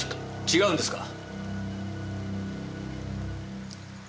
違うんですか？